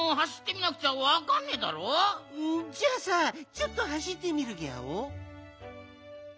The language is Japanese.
ちょっとはしってみるギャオ。